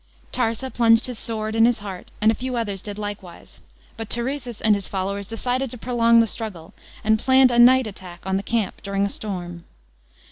Tarsa plunged his sword in his heart, and a few others did likewise. But Turesis and his followers decided to prolong the struggle, and pjanned a night attack on the camp during a storm.